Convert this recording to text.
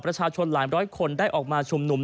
ประชาชนหลายร้อยคนได้ออกมาชุมนุม